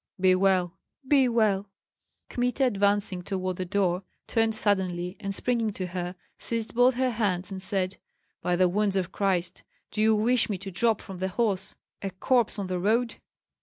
"Be well." "Be well." Kmita, advancing toward the door, turned suddenly, and springing to her, seized both her hands and said, "By the wounds of Christ! do you wish me to drop from the horse a corpse on the road?"